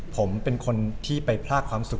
ผมเป็นคนที่ไปพลากความสุข